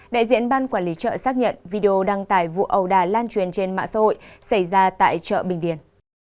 đại diện ban quản lý chợ xác nhận video đăng tải vụ ầu đà lan truyền trên mạng xã hội xảy ra tại chợ bình điền